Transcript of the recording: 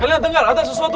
kalian dengar ada sesuatu